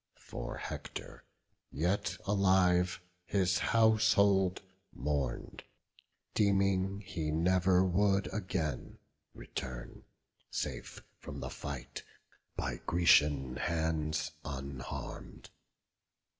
For Hector, yet alive, his household mourn'd, Deeming he never would again return, Safe from the fight, by Grecian hands unharm'd.